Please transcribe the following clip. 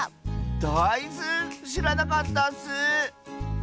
だいず⁉しらなかったッス！